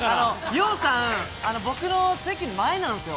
洋さん、僕の席の前なんですよ。